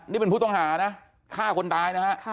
นี่เป็นผู้ต้องหานะฆ่าคนตายนะฮะ